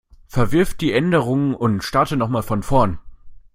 Verwirf die Änderungen und starte noch mal von vorn.